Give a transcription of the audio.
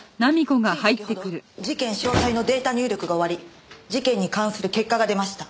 つい先ほど事件詳細のデータ入力が終わり事件に関する結果が出ました。